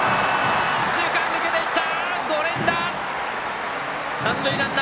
右中間抜けていった！